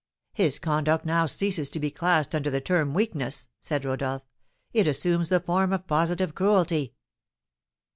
"His conduct now ceases to be classed under the term weakness," said Rodolph; "it assumes the form of positive cruelty."